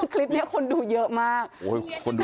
คลิปนี้คนดูเยอะมาก